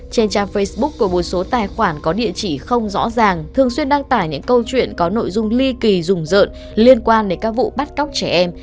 trên trang facebook của một số tài khoản có địa chỉ không rõ ràng thường xuyên đăng tải những câu chuyện có nội dung ly kỳ rùng rợn liên quan đến các vụ bắt cóc trẻ em